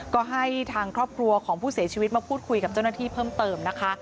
ก็ให้ทางครอบครัวของผู้เสียชีวิตมาพูดคุยกับเจ้าหน้าที่เพิ่มเติมนะคะ